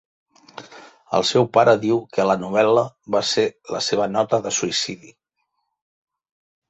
El seu pare diu que la novel·la va ser la seva nota de suïcidi.